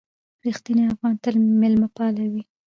رښتیني افغانان تل مېلمه پالي دي.